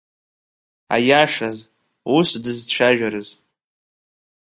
Аиашаз, ус дызцәажәарыз…